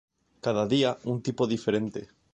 Cada día, un tipo diferente".